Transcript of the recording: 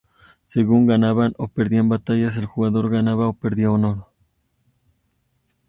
Según ganaban o perdían batallas, el jugador ganaba o perdía honor.